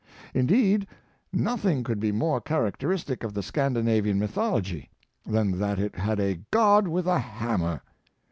Indeed nothing could be more characteristic of the Scandinavian mythology, than that it had a God with a hammer.